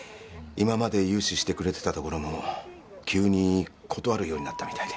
今まで融資してくれてたところも急に断るようになったみたいで。